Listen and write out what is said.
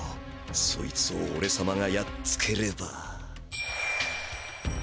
そいつをおれさまがやっつければ。